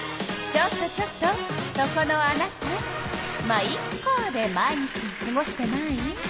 ちょっとちょっとそこのあなた「ま、イッカ」で毎日をすごしてない？